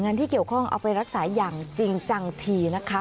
ที่เกี่ยวข้องเอาไปรักษาอย่างจริงจังทีนะคะ